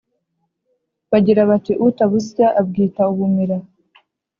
bagira bati: “utabusya abwita ubumera!”